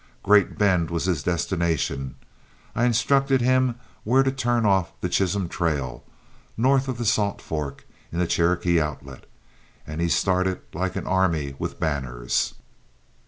Great Bend was his destination, I instructed him where to turn off the Chisholm trail, north of the Salt Fork in the Cherokee Outlet, and he started like an army with banners.